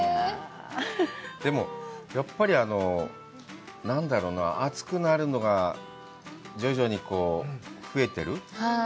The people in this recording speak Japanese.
でも、やっぱり何だろうな、暑くなるのが徐々にふえてる。